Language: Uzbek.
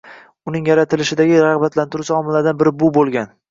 Uning yaratilishidagi rag‘batlantiruvchi omillardan biri bu qilingan.